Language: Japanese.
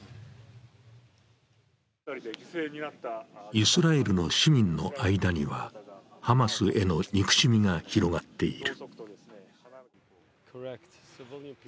イスラエルの市民の間には、ハマスへの憎しみが広がっている。